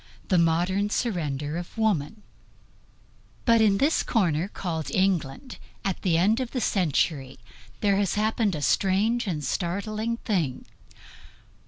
THE MODERN SURRENDER OF WOMAN But in this corner called England, at this end of the century, there has happened a strange and startling thing.